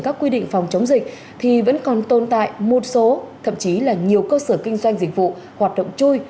các quy định phòng chống dịch thì vẫn còn tồn tại một số thậm chí là nhiều cơ sở kinh doanh dịch vụ hoạt động chui